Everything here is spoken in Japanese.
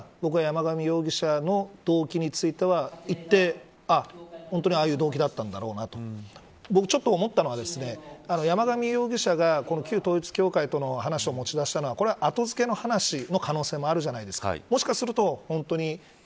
この話を聞く限りでは僕は、山上容疑者の動機については言って、本当にああいう動機だったんだろうなと僕、ちょっと思ったのは山上容疑者が旧統一教会との話を持ち出したのは後付けの話の可能性もあるじゃないですか。